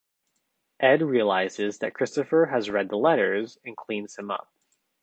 Ed realizes that Christopher has read the letters and cleans him up.